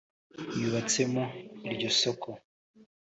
yubatsemo iryo soko